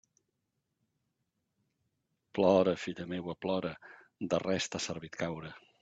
Plora, filla meua, plora; de res t'ha servit caure.